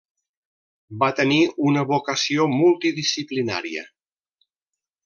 Va tenir una vocació multidisciplinària.